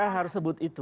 ya saya harus sebut itu